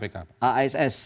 ya kan ass